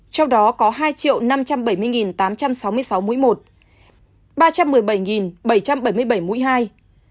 trong đó có hai năm trăm bảy mươi tám trăm sáu mươi sáu mũi một ba trăm một mươi bảy bảy trăm bảy mươi bảy mũi hai